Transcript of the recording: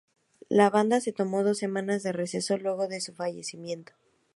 La banda se tomó dos semanas de receso luego de su fallecimiento.